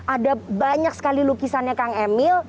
ada banyak sekali lukisannya kang emil